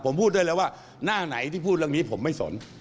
ผมพูดได้แล้วว่าหน้าไหนที่พูดเรื่องนี้ผมไม่สน